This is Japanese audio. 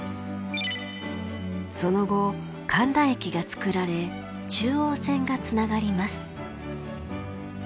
その後神田駅が作られ中央線がつながります。